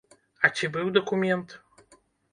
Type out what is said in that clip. А ці быў дакумент?